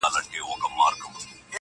اخلو انتقام به له تیارو یاره,